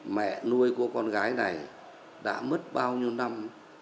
mẹ nuôi của con gái này đã mất bao nhiêu năm